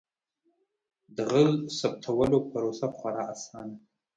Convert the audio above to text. د غږ ثبتولو پروسه خورا اسانه ده.